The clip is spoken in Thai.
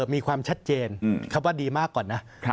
มีความชัดเจนคำว่าดีมากก่อนนะ